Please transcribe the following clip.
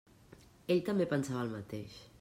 Ell també pensava el mateix.